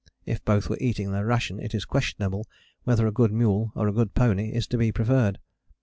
If both were eating their ration it is questionable whether a good mule or a good pony is to be preferred.